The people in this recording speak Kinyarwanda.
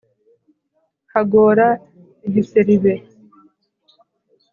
Hagora igiseribe .